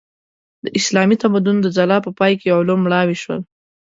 د اسلامي تمدن د ځلا په پای کې علوم مړاوي شول.